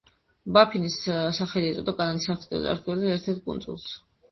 ბაფინის სახელი ეწოდა კანადის არქტიკული არქიპელაგის ერთ-ერთ კუნძულს.